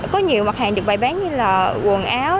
có nhiều mặt hàng được bày bán như là quần áo